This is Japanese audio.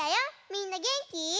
みんなげんき？